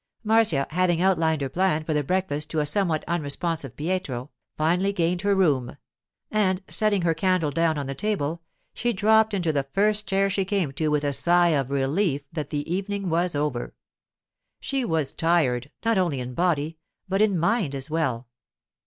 Marcia, having outlined her plan for the breakfast to a somewhat unresponsive Pietro, finally gained her room; and setting her candle down on the table, she dropped into the first chair she came to with a sigh of relief that the evening was over. She was tired, not only in body, but in mind as well.